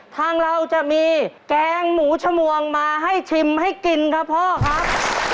ทางเราจะมีแกงหมูชมวงมาให้ชิมให้กินครับพ่อครับ